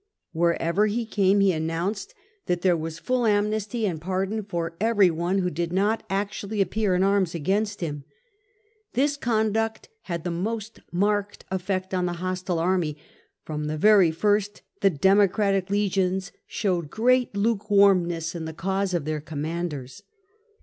Wherever he came, he announced that there was full amnesty and pardon for every one who did not actually appear in arms against him. This conduct had the most marked effect on the hostile army: from the very first the Democratic legions showed great luke warmness in the cause of their commanders.